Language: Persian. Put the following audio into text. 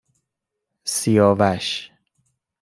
سیاوش